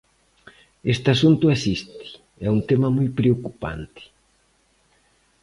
Este asunto existe, é un tema moi preocupante.